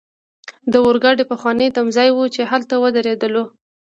د اورګاډي پخوانی تمځای وو، چې هلته ودریدلو.